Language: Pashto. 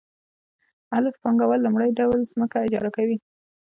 الف پانګوال لومړی ډول ځمکه اجاره کوي